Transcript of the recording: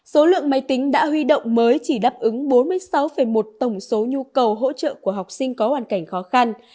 số lượng máy tính đã huy động mới chỉ đáp ứng bốn mươi sáu một tổng số nhu cầu hỗ trợ của học sinh có hoàn cảnh khó khăn